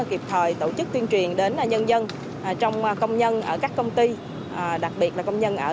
kịp thời tổ chức tuyên truyền đến nhân dân trong công nhân ở các công ty đặc biệt là công nhân ở